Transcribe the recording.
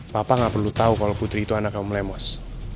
papa gak perlu tau kalo putri itu anak om lemos